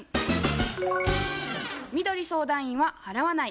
みどり相談員は「払わない」